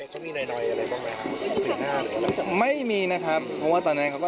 เหมือนเดิมที่เขาแจ้งเราตั้งแต่แรก